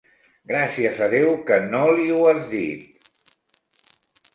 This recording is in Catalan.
Gràcies a Déu que no li ho has dit!